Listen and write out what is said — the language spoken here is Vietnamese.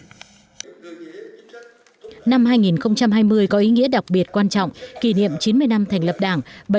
năm hai nghìn hai mươi có ý nghĩa đặc biệt quan trọng kỷ niệm chín mươi năm thành lập đảng